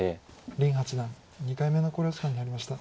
林八段２回目の考慮時間に入りました。